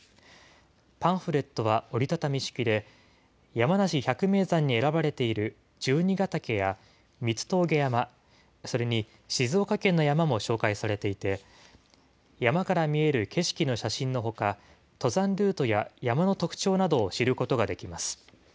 パンフレットは折り畳み式で、山梨百名山に選ばれている十二ヶ岳や三ツ峠山、それに静岡県の山も紹介されていて、山から見える景色の写真のほか、登山ルートや山の特徴などを知ることができます。